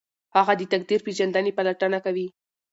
هغه د تقدیر پیژندنې پلټنه کوي.